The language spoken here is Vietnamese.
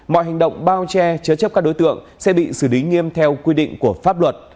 mọi hành động bao che chứa chấp các đối tượng sẽ bị xử lý nghiêm theo quy định của pháp luật